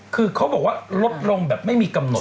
คือเขาบอกว่าลดลงแบบไม่มีกำหนด